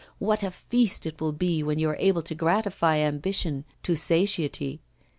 What a feast it will be when you are able to gratify ambition to satiety!